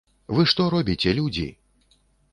Вы што робіце, людзі?